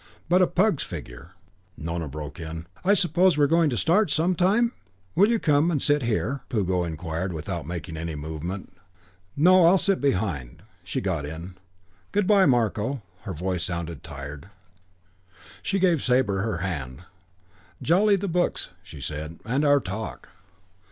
But a pug's figure " Nona broke in. "I suppose we're going to start some time?" "Will you come and sit here?" Puggo inquired, but without making any movement. "No, I'll sit behind." She got in. "Good by, Marko." Her voice sounded tired. She gave Sabre her hand. "Jolly, the books," she said. "And our talk."